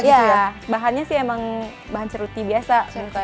iya bahannya sih emang bahan ceruti biasa